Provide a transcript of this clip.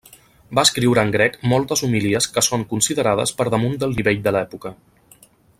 Va escriure en grec moltes homilies que són considerades per damunt del nivell de l'època.